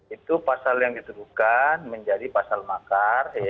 itu pasal yang dituduhkan menjadi pasal makar